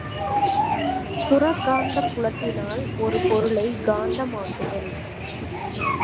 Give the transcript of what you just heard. புறக் காந்தப் புலத்தினால் ஒரு பொருளைக் காந்த மாக்குதல்.